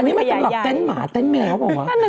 อันนี้ไม่ต้องหลากเต้นหมาเต้นแหมวป่าววะ